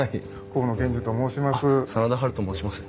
河野健司と申します。